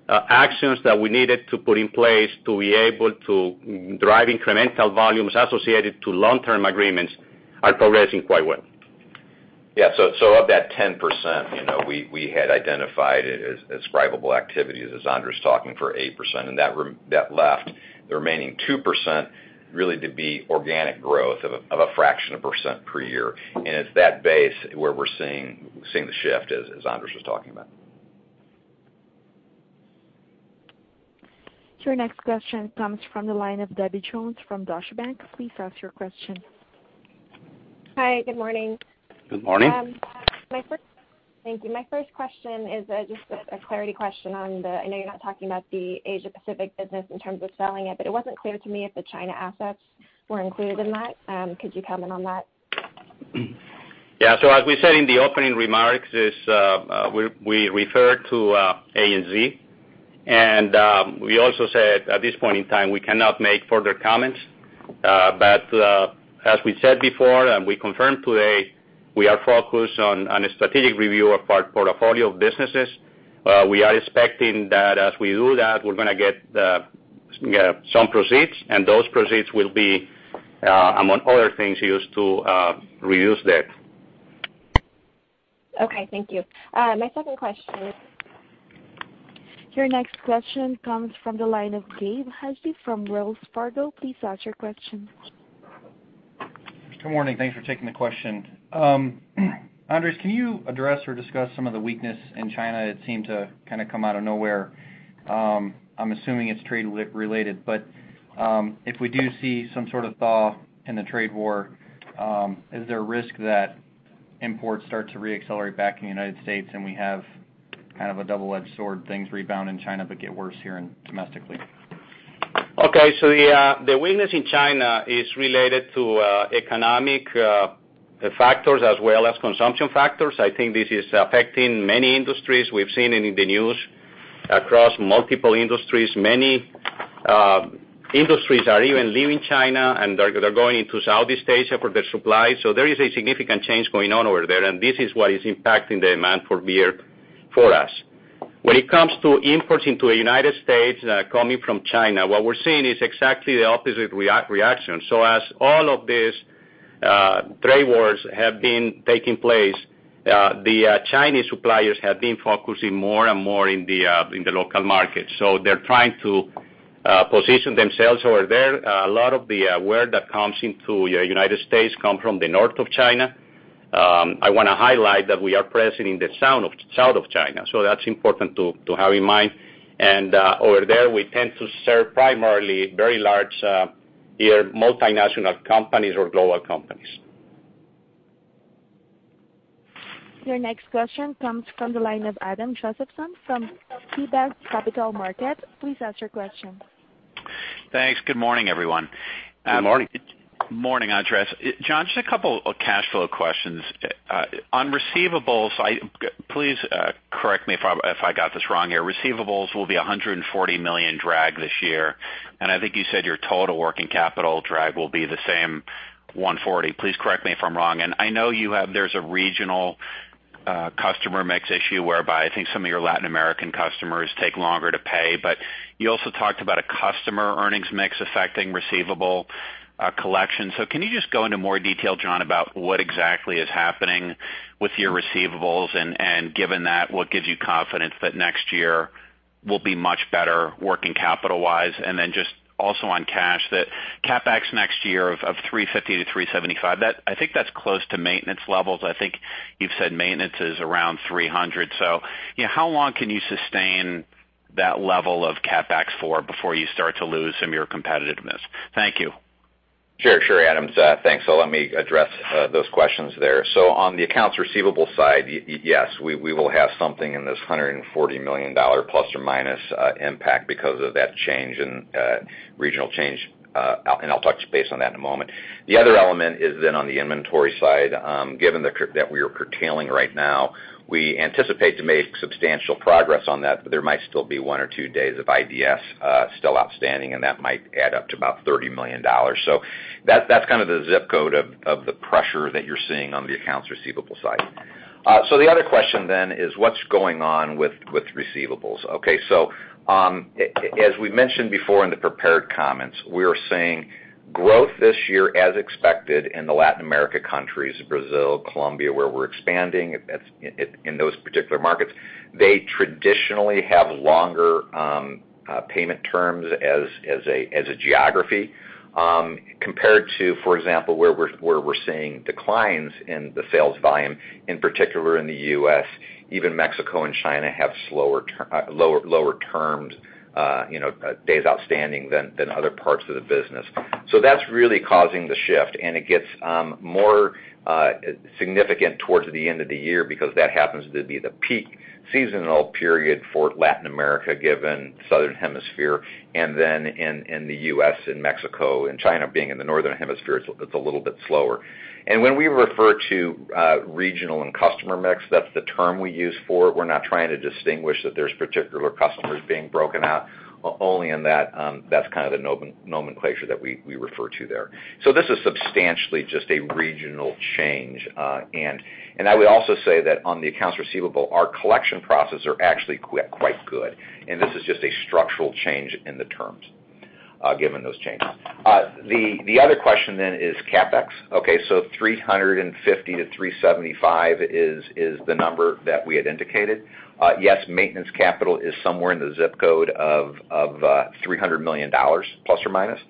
actions that we needed to put in place to be able to drive incremental volumes associated to long-term agreements are progressing quite well. Yeah. Of that 10%, we had identified ascribable activities, as Andres was talking, for 8%. That left the remaining 2% really to be organic growth of a fraction of % per year. It's that base where we're seeing the shift, as Andres was talking about. Your next question comes from the line of Debbie Jones from Deutsche Bank. Please ask your question. Hi. Good morning. Good morning. Thank you. My first question is just a clarity question on the, I know you're not talking about the Asia Pacific business in terms of selling it, but it wasn't clear to me if the China assets were included in that. Could you comment on that? As we said in the opening remarks, we referred to ANZ, we also said at this point in time, we cannot make further comments. As we said before, we confirm today, we are focused on a strategic review of our portfolio of businesses. We are expecting that as we do that, we're going to get some proceeds, those proceeds will be, among other things, used to reduce debt. Okay, thank you. Your next question comes from the line of Gabe Hajde from Wells Fargo. Please ask your question. Good morning. Thanks for taking the question. Andres, can you address or discuss some of the weakness in China? It seemed to kind of come out of nowhere. I'm assuming it's trade related, but if we do see some sort of thaw in the trade war, is there a risk that imports start to re-accelerate back in the U.S., and we have kind of a double-edged sword, things rebound in China, but get worse here domestically? Okay. The weakness in China is related to economic factors as well as consumption factors. I think this is affecting many industries. We've seen it in the news across multiple industries. Many industries are even leaving China, and they're going into Southeast Asia for their supply. There is a significant change going on over there, and this is what is impacting the demand for beer for us. When it comes to imports into the U.S. coming from China, what we're seeing is exactly the opposite reaction. As all of these trade wars have been taking place, the Chinese suppliers have been focusing more and more in the local market. They're trying to position themselves over there. A lot of the ware that comes into the U.S. come from the north of China. I want to highlight that we are present in the south of China, so that's important to have in mind. Over there, we tend to serve primarily very large multinational companies or global companies. Your next question comes from the line of Adam Josephson from KeyBanc Capital Markets. Please ask your question. Thanks. Good morning, everyone. Good morning. Morning, Andres. John, just a couple of cash flow questions. On receivables, please correct me if I got this wrong here. Receivables will be $140 million drag this year, and I think you said your total working capital drag will be the same, $140. Please correct me if I'm wrong. I know there's a regional customer mix issue whereby I think some of your Latin American customers take longer to pay, but you also talked about a customer earnings mix affecting receivable collection. Can you just go into more detail, John, about what exactly is happening with your receivables? Given that, what gives you confidence that next year will be much better working capital-wise? Just also on cash, that CapEx next year of $350 million-$375 million, I think that's close to maintenance levels. I think you've said maintenance is around $300 million. How long can you sustain that level of CapEx for before you start to lose some of your competitiveness? Thank you. Sure, Adam. Thanks. Let me address those questions there. On the accounts receivable side, yes, we will have something in this $140 million ± impact because of that regional change, and I'll talk to you based on that in a moment. The other element is then on the inventory side, given that we are curtailing right now, we anticipate to make substantial progress on that, but there might still be one or two days of IDS still outstanding, and that might add up to about $30 million. That's kind of the zip code of the pressure that you're seeing on the accounts receivable side. The other question then is what's going on with receivables. Okay, as we mentioned before in the prepared comments, we are seeing growth this year as expected in the Latin America countries, Brazil, Colombia, where we're expanding in those particular markets. They traditionally have longer payment terms as a geography compared to, for example, where we're seeing declines in the sales volume, in particular in the U.S. Even Mexico and China have lower terms, days outstanding than other parts of the business. That's really causing the shift, and it gets more significant towards the end of the year because that happens to be the peak seasonal period for Latin America, given Southern Hemisphere, and then in the U.S. and Mexico and China being in the Northern Hemisphere, it's a little bit slower. When we refer to regional and customer mix, that's the term we use for it. We're not trying to distinguish that there's particular customers being broken out. Only in that that's kind of the nomenclature that we refer to there. This is substantially just a regional change. I would also say that on the accounts receivable, our collection process are actually quite good, and this is just a structural change in the terms given those changes. The other question is CapEx. Okay, 350-375 is the number that we had indicated. Yes, maintenance capital is somewhere in the zip code of $300 million plus or minus.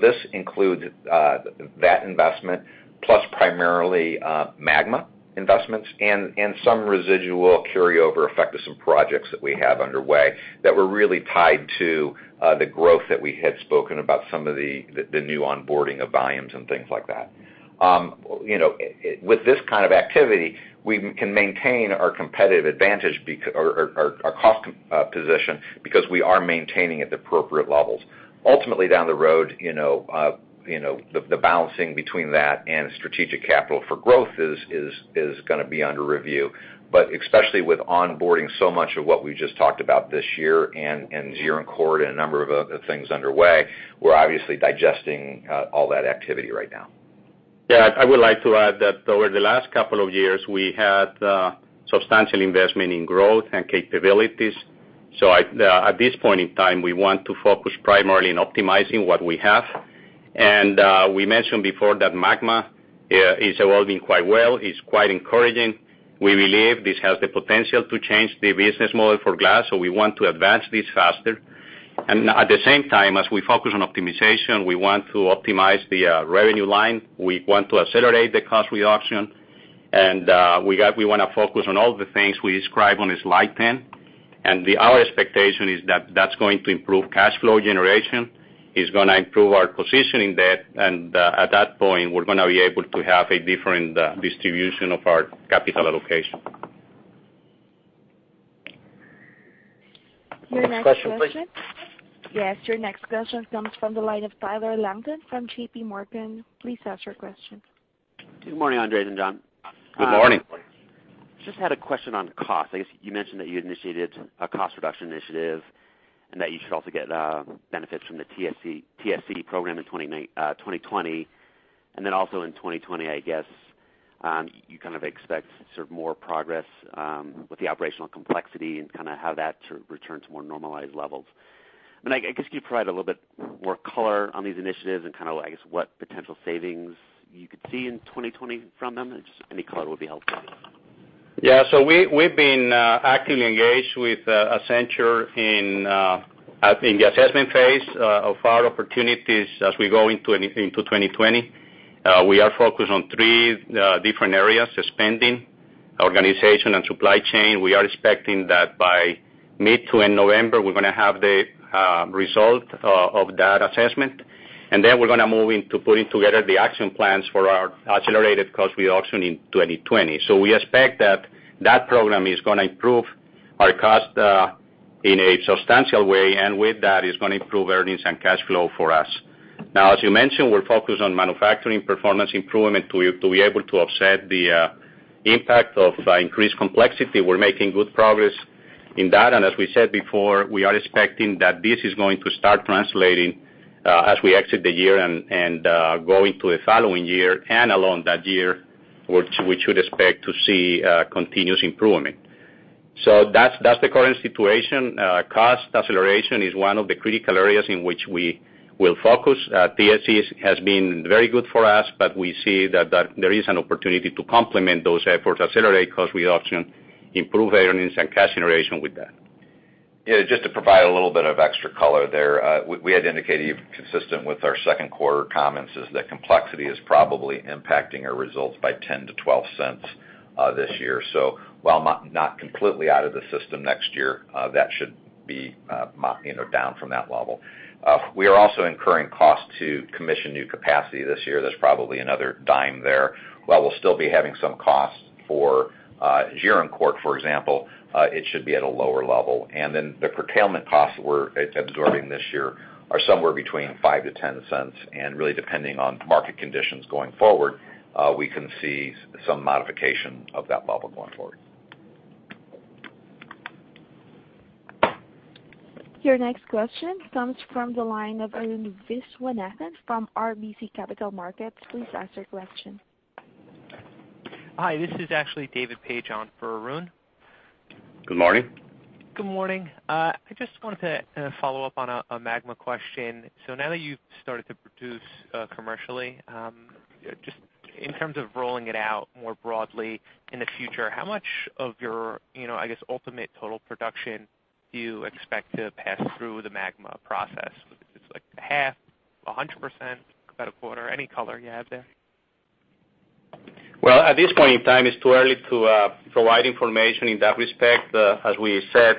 This includes that investment plus primarily MAGMA investments and some residual carryover effect of some projects that we have underway that were really tied to the growth that we had spoken about, some of the new onboarding of volumes and things like that. With this kind of activity, we can maintain our competitive advantage or our cost position because we are maintaining at the appropriate levels. Ultimately, down the road, the balancing between that and strategic capital for growth is going to be under review. Especially with onboarding so much of what we just talked about this year and Gironcourt and a number of other things underway, we're obviously digesting all that activity right now. Yeah, I would like to add that over the last couple of years, we had substantial investment in growth and capabilities. At this point in time, we want to focus primarily on optimizing what we have. We mentioned before that MAGMA is evolving quite well. It's quite encouraging. We believe this has the potential to change the business model for glass, so we want to advance this faster. At the same time, as we focus on optimization, we want to optimize the revenue line. We want to accelerate the cost reduction, and we want to focus on all the things we describe on this slide 10. Our expectation is that that's going to improve cash flow generation. It's going to improve our positioning debt, and at that point, we're going to be able to have a different distribution of our capital allocation. Next question, please. Yes, your next question comes from the line of Tyler Langton from J.P. Morgan. Please ask your question. Good morning, Andres and John. Good morning. Just had a question on cost. I guess you mentioned that you initiated a cost reduction initiative and that you should also get benefits from the TSC program in 2020. Also in 2020, I guess, you kind of expect sort of more progress with the operational complexity and kind of how that returns more normalized levels. I guess, can you provide a little bit more color on these initiatives and kind of, I guess, what potential savings you could see in 2020 from them? Just any color would be helpful. Yeah. We've been actively engaged with Accenture in the assessment phase of our opportunities as we go into 2020. We are focused on three different areas, spending, organization, and supply chain. We are expecting that by mid to in November, we're going to have the result of that assessment. Then we're going to move into putting together the action plans for our accelerated cost reduction in 2020. We expect that that program is going to improve our cost in a substantial way. With that, it's going to improve earnings and cash flow for us. Now, as you mentioned, we're focused on manufacturing performance improvement to be able to offset the impact of increased complexity. We're making good progress in that. As we said before, we are expecting that this is going to start translating as we exit the year and go into the following year and along that year, which we should expect to see continuous improvement. That's the current situation. Cost acceleration is one of the critical areas in which we will focus. TSC has been very good for us, but we see that there is an opportunity to complement those efforts, accelerate cost reduction, improve earnings and cash generation with that. Yeah, just to provide a little bit of extra color there. We had indicated, consistent with our second quarter comments, is that complexity is probably impacting our results by $0.10-$0.12 this year. While not completely out of the system next year, that should be down from that level. We are also incurring costs to commission new capacity this year. That's probably another $0.10 there. While we'll still be having some costs for Gironcourt, for example, it should be at a lower level. The curtailment costs we're absorbing this year are somewhere between $0.05-$0.10. Really depending on market conditions going forward, we can see some modification of that level going forward. Your next question comes from the line of Arun Viswanathan from RBC Capital Markets. Please ask your question. Hi, this is actually David Paige on for Arun. Good morning. Good morning. I just wanted to follow up on a MAGMA question. Now that you've started to produce commercially, just in terms of rolling it out more broadly in the future, how much of your, I guess, ultimate total production do you expect to pass through the MAGMA process? Is this like half, 100%, about a quarter? Any color you have there? Well, at this point in time, it's too early to provide information in that respect. As we said,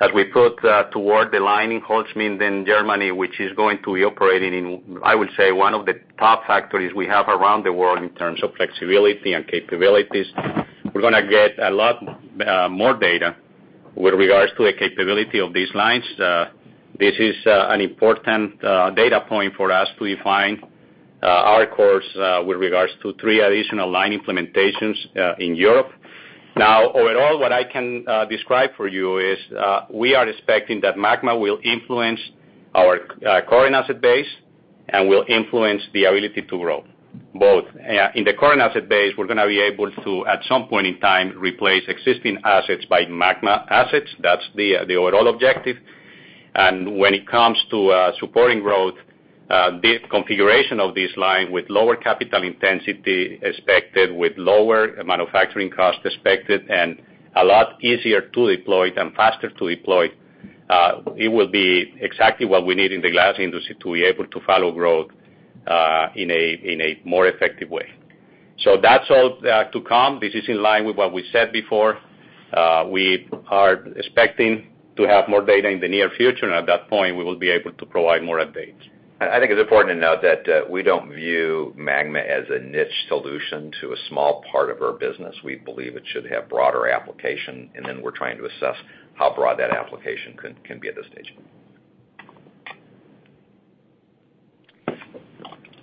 as we put toward the line in Holzminden, Germany, which is going to be operating in, I would say, one of the top factories we have around the world in terms of flexibility and capabilities. We're going to get a lot more data with regards to the capability of these lines. This is an important data point for us to define our course with regards to three additional line implementations in Europe. Overall, what I can describe for you is we are expecting that MAGMA will influence our current asset base and will influence the ability to grow both. In the current asset base, we're going to be able to, at some point in time, replace existing assets by MAGMA assets. That's the overall objective. When it comes to supporting growth, the configuration of this line with lower capital intensity expected, with lower manufacturing cost expected, and a lot easier to deploy and faster to deploy, it will be exactly what we need in the glass industry to be able to follow growth in a more effective way. That's all to come. This is in line with what we said before. We are expecting to have more data in the near future, and at that point, we will be able to provide more updates. I think it's important to note that we don't view MAGMA as a niche solution to a small part of our business. We believe it should have broader application, and then we're trying to assess how broad that application can be at this stage.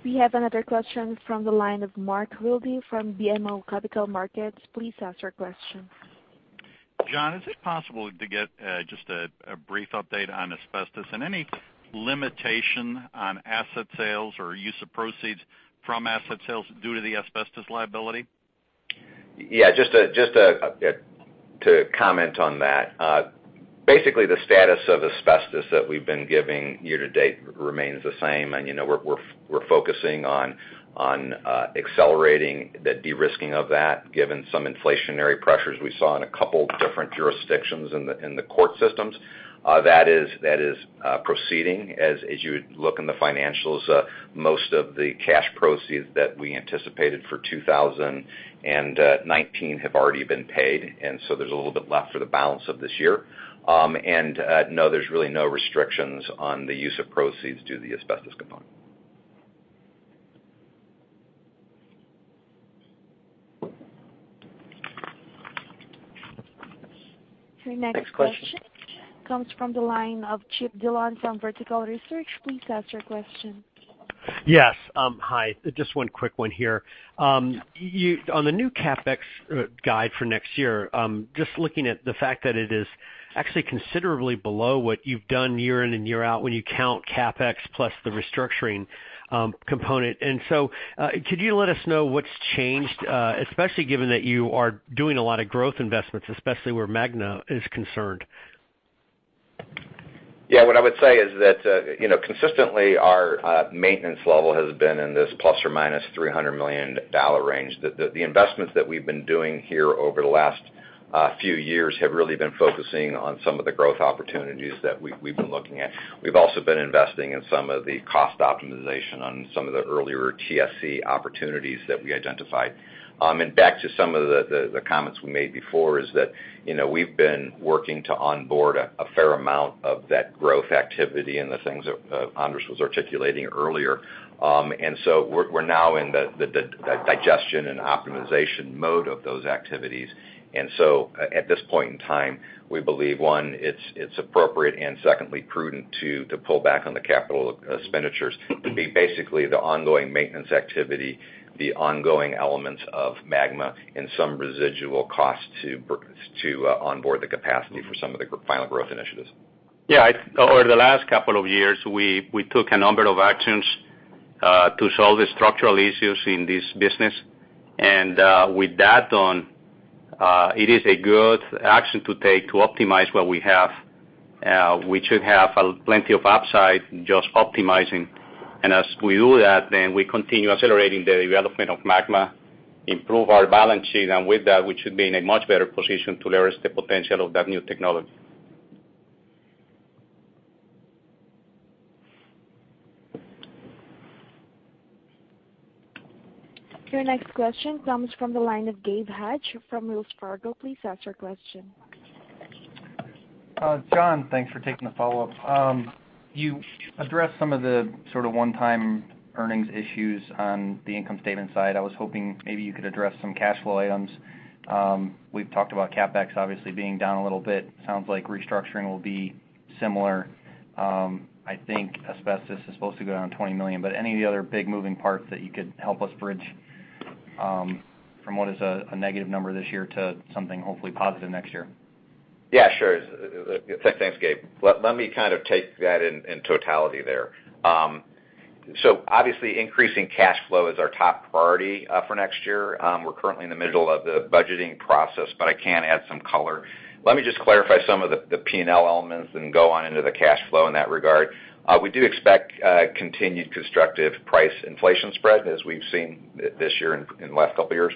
We have another question from the line of Mark Wilde from BMO Capital Markets. Please ask your question. John, is it possible to get just a brief update on asbestos and any limitation on asset sales or use of proceeds from asset sales due to the asbestos liability? Yeah, just to comment on that. Basically, the status of asbestos that we've been giving year to date remains the same. We're focusing on accelerating the de-risking of that, given some inflationary pressures we saw in a couple different jurisdictions in the court systems. That is proceeding. As you would look in the financials, most of the cash proceeds that we anticipated for 2019 have already been paid. There's a little bit left for the balance of this year. No, there's really no restrictions on the use of proceeds due to the asbestos component. Our next question. Next question. comes from the line of Chip Dillon from Vertical Research. Please ask your question. Yes. Hi. Just one quick one here. On the new CapEx guide for next year, just looking at the fact that it is actually considerably below what you've done year in and year out when you count CapEx plus the restructuring component. Could you let us know what's changed, especially given that you are doing a lot of growth investments, especially where MAGMA is concerned? Yeah. What I would say is that consistently our maintenance level has been in this ±$300 million range. The investments that we've been doing here over the last few years have really been focusing on some of the growth opportunities that we've been looking at. We've also been investing in some of the cost optimization on some of the earlier TSE opportunities that we identified. Back to some of the comments we made before, is that we've been working to onboard a fair amount of that growth activity and the things that Andres was articulating earlier. We're now in the digestion and optimization mode of those activities. At this point in time, we believe, one, it's appropriate, and secondly, prudent to pull back on the capital expenditures to be basically the ongoing maintenance activity, the ongoing elements of MAGMA, and some residual cost to onboard the capacity for some of the final growth initiatives. Yeah. Over the last couple of years, we took a number of actions to solve the structural issues in this business. With that done, it is a good action to take to optimize what we have. We should have plenty of upside just optimizing. As we do that, then we continue accelerating the development of Magma, improve our balance sheet, and with that, we should be in a much better position to leverage the potential of that new technology. Your next question comes from the line of Gabe Hajde from Wells Fargo. Please ask your question. John, thanks for taking the follow-up. You addressed some of the sort of one-time earnings issues on the income statement side. I was hoping maybe you could address some cash flow items. We've talked about CapEx obviously being down a little bit. Sounds like restructuring will be similar. I think asbestos is supposed to go down $20 million, but any of the other big moving parts that you could help us bridge from what is a negative number this year to something hopefully positive next year? Yeah, sure. Thanks, Gabe. Let me kind of take that in totality there. Obviously, increasing cash flow is our top priority for next year. We're currently in the middle of the budgeting process, but I can add some color. Let me just clarify some of the P&L elements and go on into the cash flow in that regard. We do expect continued constructive price inflation spread as we've seen this year and last couple of years.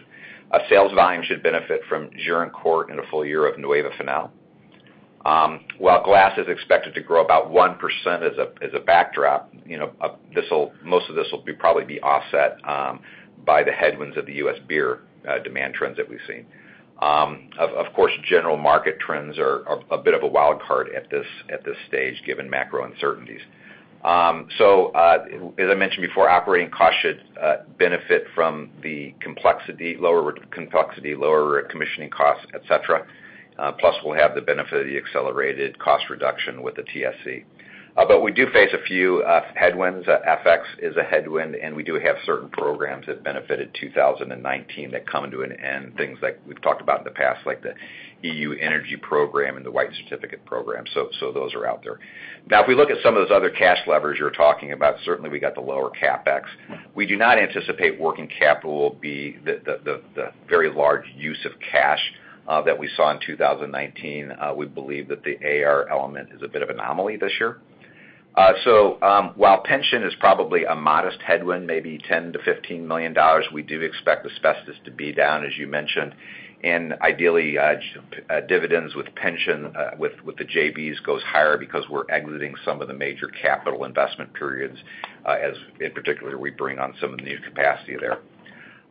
Sales volume should benefit from Gironcourt and a full year of Nueva Fanal. While glass is expected to grow about 1% as a backdrop, most of this will probably be offset by the headwinds of the U.S. beer demand trends that we've seen. Of course, general market trends are a bit of a wildcard at this stage given macro uncertainties. As I mentioned before, operating costs should benefit from the lower complexity, lower commissioning costs, et cetera. Plus, we'll have the benefit of the accelerated cost reduction with the TSE. We do face a few headwinds. FX is a headwind, and we do have certain programs that benefited 2019 that come to an end, things like we've talked about in the past, like the EU energy program and the white certificate scheme. Those are out there. If we look at some of those other cash levers you're talking about, certainly we got the lower CapEx. We do not anticipate working capital will be the very large use of cash that we saw in 2019. We believe that the AR element is a bit of anomaly this year. While pension is probably a modest headwind, maybe $10 million-$15 million, we do expect asbestos to be down, as you mentioned. Ideally, dividends with pension with the JVs goes higher because we're exiting some of the major capital investment periods, as in particular, we bring on some of the new capacity there.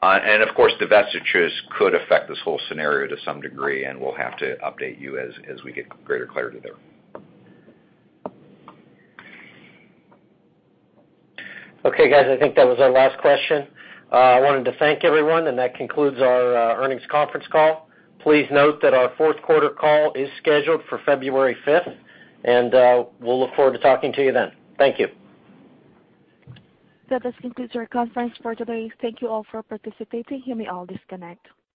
Of course, divestitures could affect this whole scenario to some degree, and we'll have to update you as we get greater clarity there. Okay, guys, I think that was our last question. I wanted to thank everyone, and that concludes our earnings conference call. Please note that our fourth quarter call is scheduled for February 5th, and we'll look forward to talking to you then. Thank you. That does conclude our conference for today. Thank you all for participating. You may all disconnect.